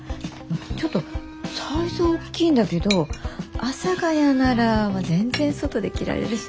ちょっとサイズは大きいんだけど阿佐ヶ谷なら全然外で着られるし。